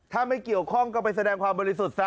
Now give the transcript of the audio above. ถ้าไม่เกี่ยวข้องก็ไปแสดงความบริสุทธิ์ซะ